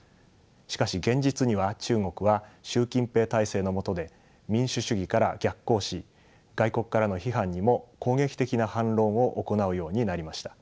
しかし現実には中国は習近平体制の下で民主主義から逆行し外国からの批判にも攻撃的な反論を行うようになりました。